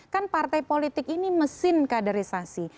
kan partai politik ini mesin kaderisasi